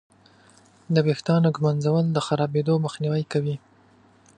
د ویښتانو ږمنځول د خرابېدو مخنیوی کوي.